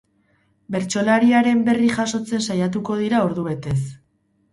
Bertsolariaren berri jasotzen saiatuko dira ordubetez.